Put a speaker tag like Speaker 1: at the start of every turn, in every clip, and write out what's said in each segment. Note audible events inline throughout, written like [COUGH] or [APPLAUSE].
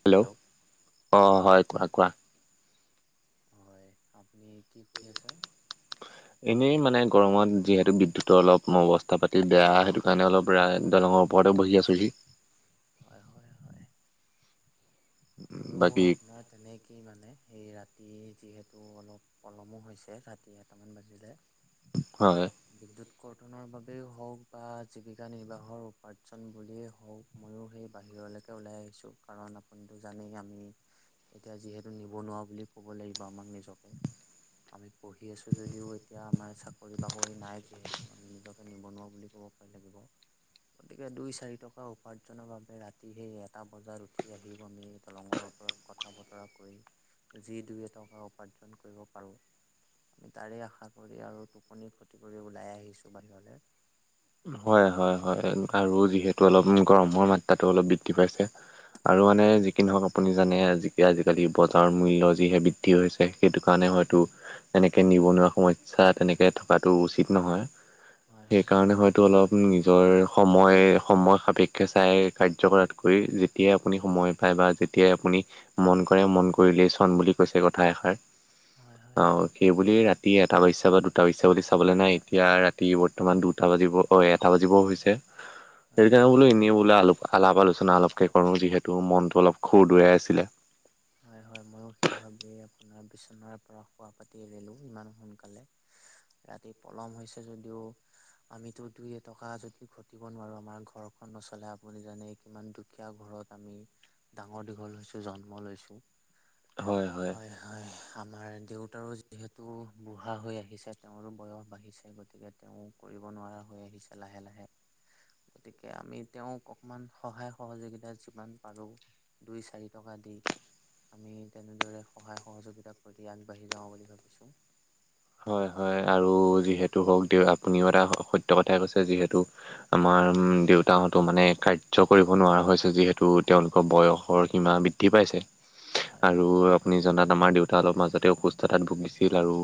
Speaker 1: Hello অ হয় কোৱা কোৱা।
Speaker 2: হয় আপুনি কি কৰি আচা?
Speaker 1: এনেই মানে গৰমত যিহেতু বিদ্যুতৰ অলপ অৱস্থা পাতি বেয়া সেইটো কাৰণে অলপ ৰা দলঙৰ ওপৰতে বহি আছোহি।
Speaker 2: হয় হয় হয়। ময়ো
Speaker 1: বাকী
Speaker 2: আপোনাৰ তেনেকেই মানে সেই ৰাতি ৰাতি যিহেতু অলপ পলমো হৈছে ৰাতি এটামান বাজিলে।
Speaker 1: হয়।
Speaker 2: বিদ্যুৎ কৰ্তনৰ বাবেই হওক বা জীৱিকা নিৰ্বাহৰ উপাৰ্জন বুলিয়েই হওক ময়ো সেই বাহিৰত কে ওলাই আহিছো কাৰণ আপুনি টো জানেই আমি এতিয়া যিহেতু নিবনুৱা বুলি ক'ব লাগিব আমাক নিজকে। আমি পঢ়ি আছো যদিও এতিয়া আমাৰ চাকৰি বাকৰি নাই যিহেতু আমি নিজকে নিবনুৱা বুলি ক'ব পাৰিম। গতিকে দুই চাৰি টকা উপাৰ্জনৰ বাবে ৰাতি সেই এটা বজাত উঠি আহি আমি দলঙৰ ওপৰত কথা বতৰা কৰি যি দুইে টকা উপাৰ্জন কৰিব পাৰোঁ আমি তাৰে আশা কৰি আৰু টোপনি খতি কৰি ওলাই আহিছো বাহিৰলে।
Speaker 1: হয় হয় হয় আৰু যিহেতু অলপ গৰমৰ মাত্ৰাটো অলপ বৃদ্ধি পাইছে আৰু মানে যি কি নহওক আপুনি জানে যি আজিকালি বজাৰৰ মূল্য যিহে বৃদ্ধি হৈছে সেইটো কাৰণে হয়তো এনেকে নিবনুৱা সমস্যা তেনেকে থকাটো উচিত নহয়। সেইকাৰণে হয়। অলপ নিজৰ সময় সময় সাপেক্ষে চাই কাৰ্য কৰাতকৈ যেতিয়াই আপুনি সময় পাই বা যেতিয়াই আপুনি মন কৰে মন কৰিলেই চন বুলি কৈছে কথা এষাৰ
Speaker 2: হয় হয়
Speaker 1: অ সেইবুলি ৰাতি এটা বাজিছা বা দুটা বাজিছা বুলি চাবলে নাই এতিয়া ৰাতি বৰ্তমান দুটা বাজিব। হয় এটা বাজিব হৈছে সেই
Speaker 2: হয়
Speaker 1: কাৰণে বোলো এনেই বোলে অলপ আলাপ আলোচনা অলপকে কৰো যিহেতু মনটো অলপ খুৰ দুৰাই আছিলে।
Speaker 2: হয় হয় ময়ো সেই ভাবেই আপোনাৰ বিচনাৰ পৰা শুৱা পাতি এৰিলো ইমান সোনকালে ৰাতি পলম হৈছে যদিও আমিতো দুই এটকা যদি ঘটিব নোৱাৰো আমাৰ ঘ ঘৰখন নচলে আপুনি জানে কিমান দুখীয়া ঘৰত আমি ডাঙৰ দীঘল হৈছো জন্ম লৈছো। হয় হয়। আমাৰ দেউতাৰো যিহেতু বুঢ়া হৈ আহিছে তেওঁৰো বয়স বাঢ়িছে। গতিকে তেওঁ কৰি দ নোৱাৰা হৈ আহিছে লাহে লাহে। গতিকে আমি তেওঁক অকমান সহায় সহযোগিতা যিমান পাৰো দুই চাৰি টকা দি আমি তেনেদৰে সহায় সহযোগিতা কৰি আগবাঢ়ি যাওঁ বুলি ভাবিছোঁ।
Speaker 1: হয় হয় আৰু যিহেতু হওক দে আপুনিও এটা সত্য কথাই কৈছে যিহেতু আমাৰ দেউতাহতো মানে কাৰ্য কৰিব নোৱাৰা হৈছে যিহেতু তেওঁলোকৰ বয়সৰ সীমা বৃদ্ধি পাইছে।
Speaker 2: হয়
Speaker 1: আৰু আপুনি জনাত আমাৰ দেউতা অলপ মাজতে অসুস্থতাত ভুগিছিল আৰু।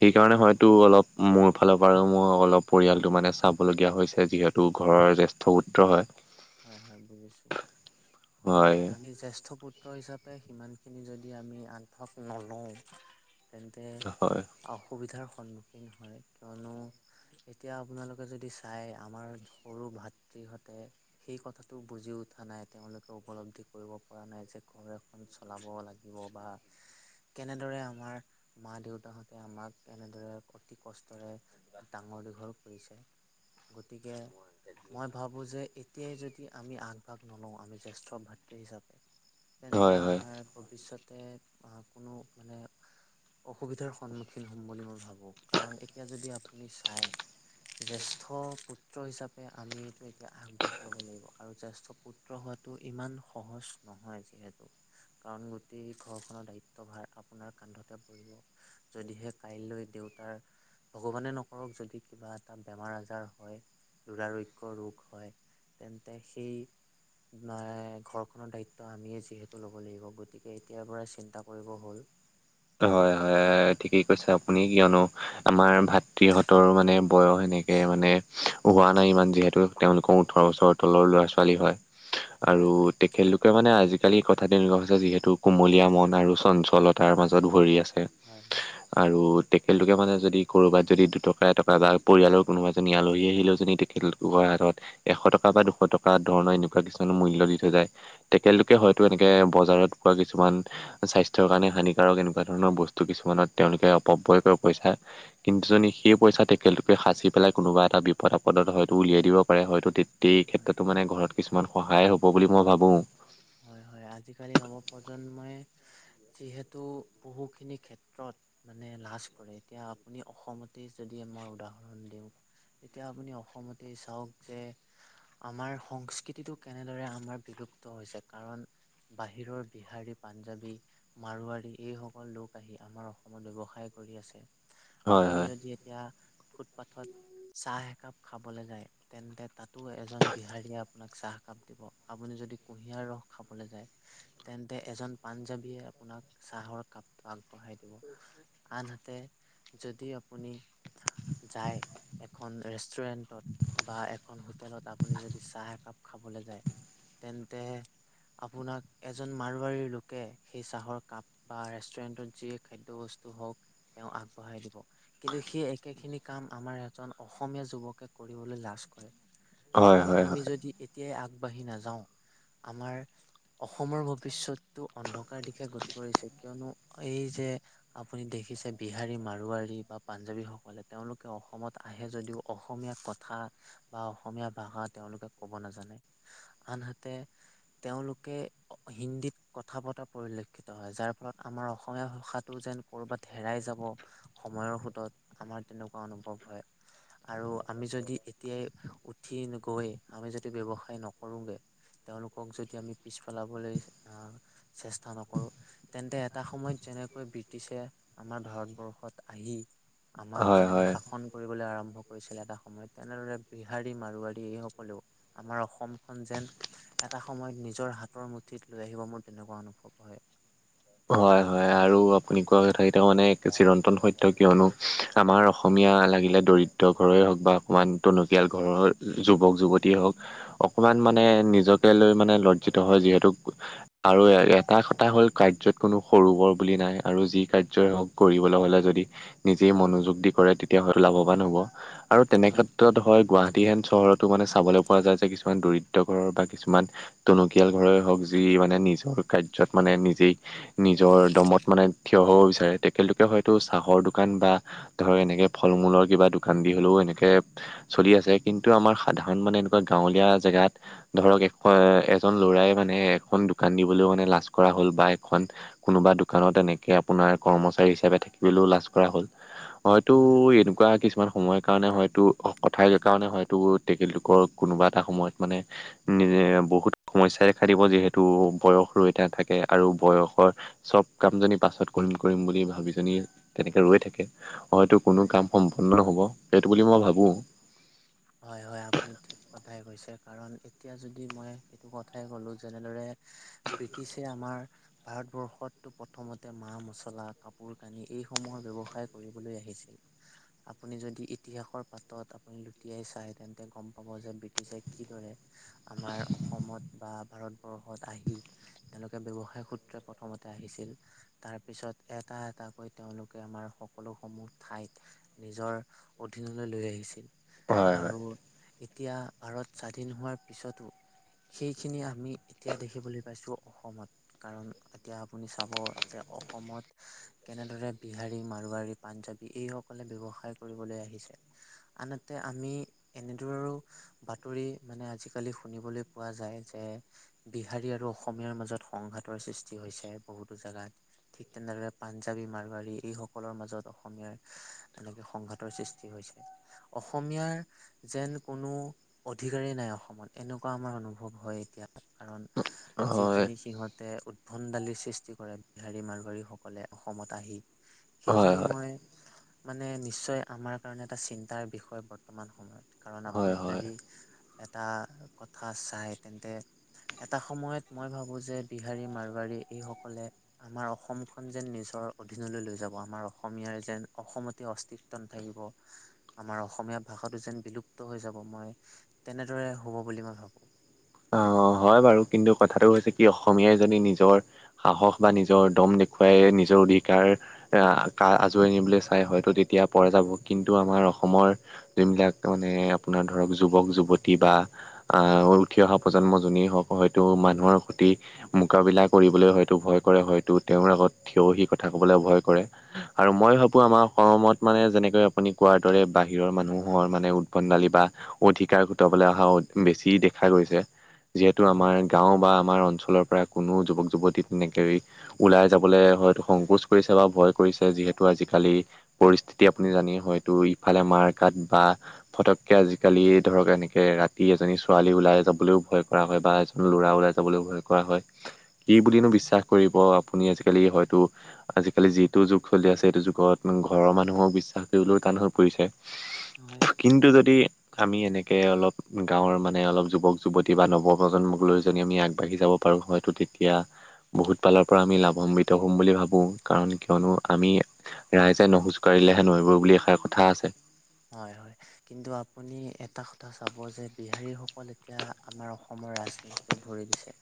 Speaker 1: সেইকাৰণে হয়তো অলপ মোৰ ফালৰ পৰা আৰু মোৰ অলপ পৰিয়ালটো মানে চাবলগীয়া হৈছে। যিহেতু ঘৰ জ্যেষ্ঠ পুত্ৰ হয়
Speaker 2: হয় হয় বুজিছো হয় আমি জেষ্ঠ পু ত্ৰ হিচাপে সিমানখিনি যদি আমি আনঠক নলওঁ তেন্তে
Speaker 1: হয়
Speaker 2: অসুবিধাৰ সন্মুখীন হয়। কিয়নো এতিয়া আপোনালোকে যদি চাই আমাৰ সৰু ভাতৃহতে সেই কথাটো বুজি উঠা নাই তেওঁলোকে উপলব্ধি কৰিব পৰা নাই যে ঘৰ এখন চলাব লাগে। কেনেদৰে আমাৰ মা দেউতাহঁতে আমাক কেনেদৰে অতি কষ্ট ডাঙৰ দীঘল কৰিছে গতিকে মই ভাবো যে তেতিয়াই যদি আমি আগভাগ নলও আমি জ্যেষ্ঠ ভাতৃ হিচাপে তেন্তে
Speaker 1: হয় হয়
Speaker 2: আমাৰ ভৱিষ্যতে আহ কোনো মানে অসুবিধাৰ সন্মুখীন হম বুলি মই ভাবো কাৰণ এতিয়া যদি আপুনি চাই জ্যেষ্ঠ পুত্ৰ হিচাপে আমিটো এতিয়া আগভাগ ল'ব লাগিব আৰু জ্যেষ্ঠ পুত্ৰ হয় ইমান সহজ নহয় যিহেতু কাৰণ গোটেই ঘৰখনৰ দায়িত্ব ভাৰ আপোনাৰ কান্ধতে। যদিহে কাইলৈ দেউতাৰ ভগৱানে নকৰক যদি কিবা এটা বেমাৰ আজ যাৰ হয় ৰোগ হয় তেন্তে সেই নহ ঘৰ খনৰ দায়িত্ব আমিয়ে যিহেতু ল'ব লাগিব। গতিকে এতিয়াৰ পৰাই চিন্তা কৰিব হ'ল।
Speaker 1: এ ঠিকেই কৈছে আপুনি কিয়নো আমাৰ ভাতৃহঁতৰো মানে বয়স সেনেকে মানে হোৱা নাই ইমান যিহেতু তেওঁলোকৰ ওঠৰ বছৰ তলৰ ল'ৰা ছোৱালী হয়।
Speaker 2: হয়
Speaker 1: আৰু
Speaker 2: হয়
Speaker 1: তেখেতলোকে মানে আজিকালি কথাটো এনেকুৱা হৈছে যিহেতু কুমলীয়া মন আৰু চঞ্চলতাৰ মাজত ভৰি আছে
Speaker 2: হয় হয়
Speaker 1: আৰু তেখেতলোকে মানে যদি ক'ৰবাত যদি দুটকা এটকা বা পৰিয়ালৰ কোনোবা এজনী আলহী আহিলেও যদি তেখেতলোকৰ এশ টকা বা দুশ টকা ধৰণৰ এনেকুৱা কিছুমান মূল্য দি থৈ যায় তেখেতলোকে হয়তো এনেকে বজাৰত নো কিছুমান স্বাস্থ্যৰ কাৰণে হানিকাৰক এনেকুৱা ধৰণৰ বস্তু কিছুমানত তেওঁলোকে অপব্যয় কৰে পইচা কিন্তু
Speaker 2: হয়
Speaker 1: যদি সেই পইচা টেকেলটোকে সাঁচি পেলাই কোনোবা এটা বিপদ আপদত হয়তো উলিয়াই দিব পাৰে হয়তো গোটেই
Speaker 2: হয়
Speaker 1: ক্ষেত্ৰতো মানে ঘৰত কিছুমান সহায় হ'ব বুলি মই ভাবো।
Speaker 2: হয় হয় আজিকালি নৱপ্ৰজন্মই যিহেতু বহুখিনি ক্ষেত্ৰত মানে লাজ কৰে। এতিয়া আপুনি অসমতে যদি মই উদাহৰণ দিও এতিয়া আপুনি অসমতে চাওক যে আমাৰ সংস্কৃতিটো কেনেদৰে আমাৰ বিল হৈছে কাৰণ বাহিৰৰ বিহাৰী পাঞ্জাবী মাৰোৱাৰাৰী এই সকল লোক আহি আমাৰ অসমত ব্যৱসায়
Speaker 1: হয়
Speaker 2: আপুনি
Speaker 1: হয়
Speaker 2: যদি এতিয়া ফুট ফাটত চাহ একাপ খাবলৈ যায় তেন্তে তাতো এজন বিহাৰীয়ে আপোনাক চাহ কাপ দিব আপুনি যদি কুঁহিয়াৰ ৰস খাবলৈ যায় তেন্তে এজন পাঞ্জাবীয়ে আপোনাক চাহৰ কাপটো আগবঢ়াই দিব। আনহাতে যদি আপুনি যায় এখন ৰেষ্টুৰেন্টত বা এখন হোটেলত আপুনি যদি চাহ একাপ খাবলৈ যায় তেন্তে আপোনাক এজন মাৰোৱাৰীৰ লোকে সেই চাহৰ কাপ বা ৰেষ্টুৰেন্টত যিয়ে খাদ্য বস্তু হওক তেওঁ আগবঢ়াই দিব কিন্তু সি একে খিনি কাম আমাৰ এজন অসমীয়া যুৱকে কৰিবলৈ লাজ কৰে।
Speaker 1: হয়
Speaker 2: কিন্তু
Speaker 1: হয় হয়
Speaker 2: আমি যদি এতিয়াই আগবাঢ়ি নাযাওঁ আমাৰ অসমৰ ভৱিষ্যতটো অন্ধকাৰ দিশে গতি কৰিছে কিয়নো এই যে আপুনি দেখিছে বিহাৰী মাৰুৱাৰী বা পাঞ্জাৱী সকলে তেওঁলোকে অসমত আহে যদিও অসমীয়া কথা বা অসমীয়া ভাষা তেওঁলোকে ক'ব নাজানে আনহাতে [UNINTELLIGIBLE] তেওঁলোকে হিন্দীত কথা পতা পৰিলক্ষিত হয় যাৰ ফলত আমাৰ অসমীয়া ভাষাটো যেন ক'ৰবাত হেৰাই যাব সময়ৰ সোতত আমাৰ তেনেকুৱা অনুভৱ হয় আৰু আমি আমি যদি এতিয়াই উঠি নগৈ আমি যদি ব্যৱসায় নকৰোগে তেওঁলোকক যদি আমি পিছ পেলাবলৈ আহ চেষ্টা নকৰো তেন্তে এটা সময়ত যেনে কৈ ব্ৰিটিছে আমাৰ ভাৰতবৰ্ষত আহি আমাক
Speaker 1: হয়
Speaker 2: যেনেকে
Speaker 1: হয়
Speaker 2: শাসন কৰিবলৈ আৰম্ভ কৰিছিল এটা সময়ত তেনেদৰে বিহাৰী মাৰুৱাৰী এই সকলেও আমাৰ অসমখন যেন এটা সময়ত নিজৰ হাতৰ মুঠিত লৈ আহিব মোৰ তেনেকুৱা অনুভৱ হয়।
Speaker 1: হয় হয় আৰু আপুনি কোৱা কথা কেইটা মানে এক চিৰন্তন সত্য। কিয়নো আমাৰ অসমীয়া লাগিলে দৰিদ্ৰ ঘৰ ৱে হওঁক বা অকমান টনকিয়াল ঘৰৰ যুৱক যুৱতীয়ে হওঁক, অকমান মানে নিজকে লৈ মানে লজ্জিত হয়, যিহেতু আৰু এটা কথা হ'ল কাৰ্যত কোনো সৰু-বৰ বুলি নাই। আৰু যি কাৰ্যই হওঁক, কৰিবলৈ হ'লে যদি নিজেই মনোযোগ দি কৰে, তেতিয়া হয়তো লাভৱান হ'ব। আৰু তেনে
Speaker 2: হয়
Speaker 1: ক্ষেত্ৰত হয়, গুৱাহাটী হেন চহৰত টো মানে চাবলৈ পৰা যায় যে, কিছুমান দৰিদ্ৰ ঘৰৰ বা কিছুমান টনকিয়াল ঘৰৰে হওঁক, যি মানে নিজৰ কাৰ্যত মানে নিজেই নিজৰ দমত মানে থিয় হ'ব বিচাৰে। তেখেতলোকে হয়তো চাহৰ দোকান বা ধৰ এনেকে ফল-মূলৰ কিবা দোকান দি হ'লেও এনেকে চলি আছে। কিন্তু আমাৰ সাধাৰণ মানে এনেকুৱা গাঁৱলীয়া জেগাত ধৰক একোৱা এজন ল'ৰাই মানে এখন দোকান দিবলৈও মানে লাজ কৰা হ'ল বা এখন কোনোবা দোকানত এনে কে আপোনাৰ কৰ্মচাৰী হিচাপে থাকিবলৈও লাজ কৰা হ'ল। হয়তো
Speaker 2: হয় হয়
Speaker 1: এনেকুৱা কিছুমান সময়ত কাৰণে হয়তো, কথাই কাৰণে হয়তো, তেখেতলোকৰ কোনোবা এটা সময়ত মানে নিজে বহুত সমস্যাই দেখা দিব, যিহেতু বয়স ৰৈ নাথাকে। আৰু বয়সৰ চব কাম যদি পাছত কৰিম - কৰিম বুলি ভাবি যদি তেনেকৈ ৰৈ থাকে, হয়তো কোনো
Speaker 2: হয়
Speaker 1: কাম সম্পন্ন নহ'ব। সেইটো বুলি মই ভাবোঁ।
Speaker 2: হয় - হয়, আপুনি ঠিক কথাই কৈছে, কাৰণ এতিয়া যদি মই সেইটো কথাই ক'লো, যেনেদৰে ব্ৰিটিছে আমাৰ ভাৰতবৰ্ষতটো প্ৰথমতে মা-মছলা, কাপোৰ-কানি এইসমূহৰ ব্যৱসায় কৰিবলৈ আহি ছিল। আপুনি যদি ইতিহাসৰ পাতত আপুনি লুটিয়াই চায়, তেন্তে গম পাব যে ব্ৰিটিছে কিদৰে আমাৰ অসমত বা ভাৰতবৰ্ আহি তেওঁলোকে ব্যৱসায় সূত্ৰে প্ৰথমতে আহিছিল। তাৰ পিছত এটা - এটা হৈ তেওঁলোকে আমাৰ সকলোসমূহ ঠাইক নিজৰ অধীনলৈ লৈ আহিছিল।
Speaker 1: হয়
Speaker 2: আৰু এতিয়া ভাৰত স্বাধীন হোৱাৰ পিছতো সেইখিনি আমি এতিয়া দেখিবলৈ পাইছোঁ অসমত, কাৰণ এতিয়া আপুনি চাব যে অসমত কেনেদৰে বিহাৰী, মাৰোৱাৰী, পাঞ্জাবী এই সকলে ব্যৱসায় কৰিবলৈ আহিছে। ছে। আন‌হাতে আমি এনেদৰেও বাতৰি মানে আজিকালি শুনিবলৈ পোৱা যায় যে বিহাৰী আৰু অসমীয়াৰ মাজত সংঘাতৰ সৃষ্টি হৈছে বহুতো জেগাত। ঠিক তেনেদৰে পাঞ্জাবী মাৰোৱাৰী এইসকলৰ মাজত অসমীয়াৰ এনেকে সংঘাতৰ সৃষ্টি হৈছে। অস অসমীয়াৰ যেন কোনো অধিকাৰেই নাই অসমত। এনেকুৱা আমাৰ অনুভৱ হয় এতিয়া, কাৰণ
Speaker 1: হয়
Speaker 2: যিখিনি সিহঁত তে উদ্ভণ্ডালি সৃষ্টি কৰে বিহাৰী, মাৰোবাৰীসকলে অসমত আহি।
Speaker 1: হয় হয়
Speaker 2: সেইখিনি মই মানে নিশ্চয় আমাৰ কাৰণে এটা চিন্তাৰ বিষয় বৰ্তমান সময়ত, কাৰণ আপুনি
Speaker 1: হয় হয়।
Speaker 2: যদি এটা কথা চায়, তেন্তে এটা সময়ত মই ভাবো যে বিহাৰী, মাৰোবাৰী এইসকলে আমাৰ অসমখন যেন নিজৰ ৰ অধীনলৈ লৈ যাব, আমাৰ অসমীয়াৰ যেন অসমতে অস্তিত্ব নাথাকিব। আমাৰ অসমীয়া ভাষাটো যেন বিলুপ্ত হৈ যাব, মই তেনেদৰে হ'ব বুলি মই ভাবোঁ।
Speaker 1: অ' হয় বাৰু। কিন্তু কথাটো হৈছে কি, অসমীয়াই যদি নিজৰ সাহস বা নিজৰ দম দেখুৱাই নিজৰ অধিকাৰ অ'- আজোঁৰি আনিবলৈ চাই হয়তো তেতিয়া পৰা যাব, কিন্তু আমাৰ অসমৰ যোনবিলাক মানে আপোনাৰ ধৰক, যুৱক-যুৱতী বা অ'- উঠি অহা প্ৰ প্ৰজন্ম যোনেই হওঁক, হয়তো মানুহৰ সৈতে মোকাবিলা কৰিবলৈ হয়তো ভয় কৰে, হয়তো তেওঁৰ আগত থিয় হৈ কথা কবলৈ ভয় কৰে। আৰু মই ভাবোঁ আমাৰ অসমত মানে যেনেকৈ আপুনি কোৱাৰ দৰে বাহিৰৰ মানুহৰ মানে উদ্ভণ্ডালি বা অধিকাৰ গোটাবলৈ অহা বেছি দেখা গৈছে। যিহেতু
Speaker 2: হয়
Speaker 1: আমাৰ গাঁও বা আমাৰ অঞ্চ লৰ পৰা কোনো যুৱক-যুৱতী তেনেকে ওলাই যাবলৈ হয়টো সংকোচ কৰিছে বা ভয় কৰিছে, যি হেতু আজিকালি পৰিস্থিতি আপুনি জানে, হয়টো ইফালে মাৰ-কাট বা ফটককে আজি কালি ধৰক, এনেকে ৰাতি এজনী ছোৱালী ওলাই যাবলৈও ভয় কৰা হয় বা এজন ল'ৰা ওলাই যাবলৈও ভয় কৰা হয়। কি বুলিনো বিশ্বাস কৰিব আপুনি আজিকালি হয়তো আজিকালি যিটো যুগ চলি আছে, সেইটো যুগত মানে ঘৰৰ মানুহক বিশ্বাস কৰিবলৈ টান হৈ পৰিছে।
Speaker 2: হয়।
Speaker 1: কিন্তু যদি আমি এনেকে অলপ গাঁৱৰ মানে অলপ যুৱক- যুৱতী প্ৰতি বা নৱপ্ৰজন্মক লৈ যদি আমি আগবাঢ়ি যাব পাৰোঁ হয়তো তেতিয়া বহুত ফালৰ পৰা আমি লাভাম্বিত হ'ম বুলি ভাবোঁ কাৰণ কিয়নো আমি ৰাইজে নোখোজ কাঢ়িলেহে নৈ বয় বুলি এষাৰ কথা আছে।
Speaker 2: হয় -হয় কিন্তু আপুনি এটা কথা চাব যে বিহাৰীসকল এতিয়া আমাৰ অসমত ৰাজনীতিটো ভৰি দিছে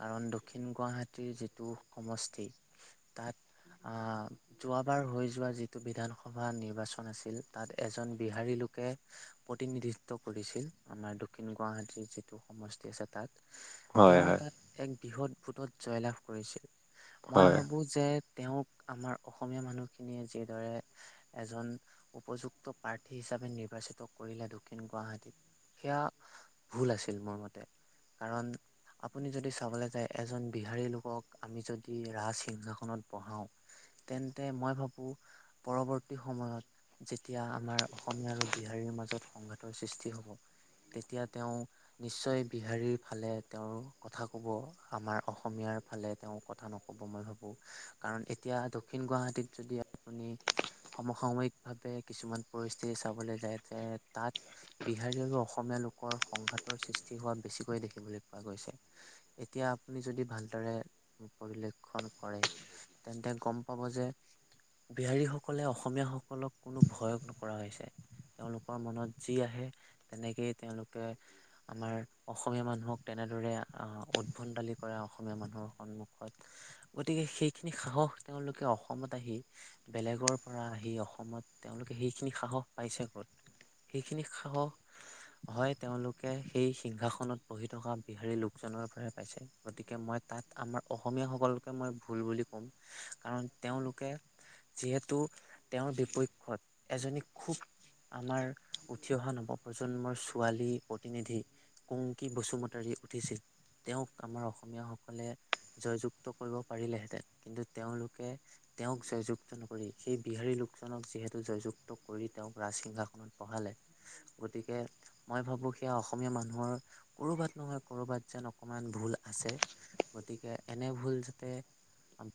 Speaker 2: কাৰণ দক্ষিণ গুৱাহাটীৰ যিটো সমষ্টি তাত আহ যোৱাবাৰ হৈ যোৱা যিটো বিধানসভা নিৰ্বাচন আছিল তাত এজন বিহাৰী লোকে প্ৰতিনিধিত্ব কৰিছিল আমাৰ দক্ষিণ গুৱাহাটীৰ যিটো সমষ্টি আছে তাত
Speaker 1: হয়
Speaker 2: তেওঁ
Speaker 1: হয়
Speaker 2: তাত এক বৃহৎ ভোটত জয়লাভ কৰিছিল মই
Speaker 1: হয়।
Speaker 2: ভাবো যে তেওঁক আমাৰ অসমীয়া মানুহখিনিয়ে যিদৰে এজন উপযুক্ত প্ৰাৰ্থী হিচাপে নিৰ্বাচিত কৰিলে দক্ষিণ গুৱাহাটীত সেয়া ভুল আছিল। মোৰ মতে কাৰণ আপুনি যদি চাবলৈ যায় এজন বিহাৰী লোকক আমি যদি ৰাজসিংহাসনত বহাও তেন্তে মই ভাবো পৰৱৰ্তী সময়ত যেতিয়া আমাৰ অসমীয়া আৰু বিহাৰীৰ মাজত সংঘাতৰ সৃষ্টি হব তেতিয়া তেওঁ নিশ্চয় বিহাৰীৰ ফালে তেওঁৰ কথা কব আমাৰ অসমীয়াৰ ফালে তেওঁ কথা ন'কব মই ভাবো কাৰণ এতিয়া দক্ষিণ গুৱাহাটীত যদি আপুনি সমসাময়িক ভাৱে কিছুমান পৰিস্থিতি চাবলৈ যায় যে তাত বিহাৰী আৰু অসমীয়া লোকৰ সংঘাত সৃষ্টি হোৱা বেছিকৈ দেখিবলৈ পোৱা গৈছে এতিয়া আপুনি যদি ভালদৰে বেক্ষণ কৰে তেন্তে গম পাব যে বিহাৰীসকলে অসমীয়াসকলক কোনো ভয়ক নকৰা হৈছে। তেওঁলোকৰ মনত যি আহে তেনেকেই তেওঁলোকে আমাৰ অসমীয়া মানুহক তেনে এনেদৰে উদ্ভণ্ডালি কৰা অসমীয়া মানুহৰ সন্মুখত গতিকে সেইখিনি সাহস তেওঁলোকে অসমত আহি বেলেগৰ পৰা আহি অসমত তেওঁলোকে সেইখিনি সাহস পাইছে ক'ত? সেইখিনি সাহস হয় তেওঁলোকে সেই সিংহাসনত বহি থকা হেৰি লোকজনৰ পৰা পাইছে গতিকে মই তাত আমাৰ অসমীয়া সকলকে মই ভুল বুলি কম কাৰণ তেওঁলোকে যিহেতু তেওঁৰ বিপক্ষত এজনী খুব আমাৰ উঠি অহা নৱপ্ৰজন্মৰ ছোৱালী প্ৰতিনিধি কুংকি বসুমতাৰী উঠিছ তেওঁক আমাৰ অসমীয় সকলে জয়যুক্ত কৰিব পাৰিলেহেঁতেন কিন্তু তেওঁলোকে তেওঁক জয়যুক্ত নকৰি সেই বিহাৰী লোকজনক যি যিহেতু জয়যুক্ত কৰি তেওঁক ৰাজসিংহাসনত বহালে গতিকে মই ভাবো সেয়া অসম অসমীয়া মানুহৰ কৰবাত নহয় কৰবাত যেন অকমান ভুল আছে গতিকে এনে ভুল যাতে